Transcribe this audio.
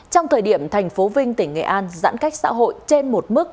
trong thời điểm tp vinh tỉnh nghệ an giãn cách xã hội trên một mức